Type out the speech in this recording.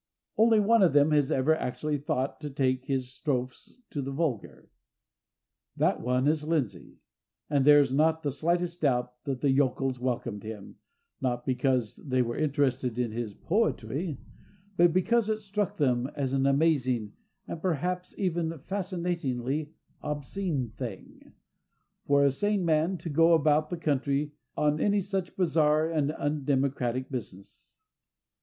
Only one of them has ever actually sought to take his strophes to the vulgar. That one is Lindsay—and there is not the slightest doubt that the yokels welcomed him, not because they were interested in his poetry, but because it struck them as an amazing, and perhaps even a fascinatingly obscene thing, for a sane man to go about the country on any such bizarre and undemocratic business.